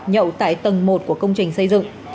nhậu tại tầng một của công trình xây dựng